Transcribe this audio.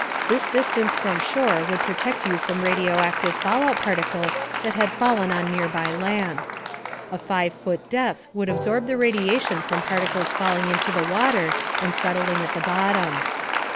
This distance from shore would protect you from radioactive fallout particles that had fallen on the nearby land. A 5 foot depth would absorb the radiation from particles falling into the water and settling on the bottom.